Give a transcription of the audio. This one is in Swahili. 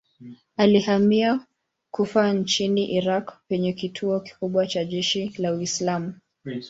Alihamia Kufa nchini Irak penye kituo kikubwa cha jeshi la Uislamu.